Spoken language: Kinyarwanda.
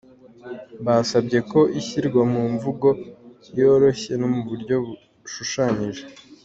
Basabye ko ishyirwa mu mvugo yoroshye no mu buryo bushushanyije.